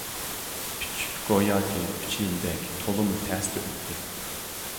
ئۈچ گوياكى ئۈچ يىلدەك تولىمۇ تەستە ئۆتتى.